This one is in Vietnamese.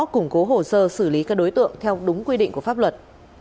củng cố hồ sơ xử lý các đối tượng theo đúng quy định của pháp luật